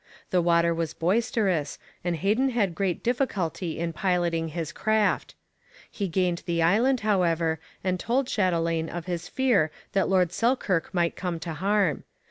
The water was boisterous, and Heden had great difficulty in piloting his craft. He gained the island, however, and told Chatelain of his fear that Lord Selkirk might come to harm.